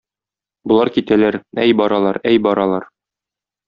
Болар китәләр, әй баралар, әй баралар.